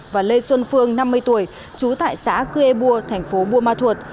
và lê xuân phương năm mươi tuổi chú tại xã cư ê bua tp bua ma thuột